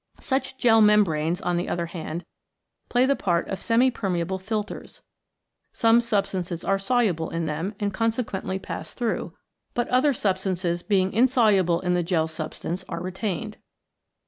Such gel mem branes, on the other hand, play the part of semi permeable filters. Some substances are soluble in them, and consequently pass through, but other substances being insoluble in the gel substance are retained.